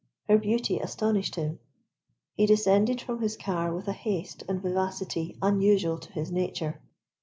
Her beauty astonished him. He descended from his car with a haste and vivacity unusual to his nature.